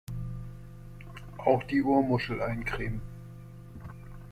Auch die Ohrmuschel eincremen!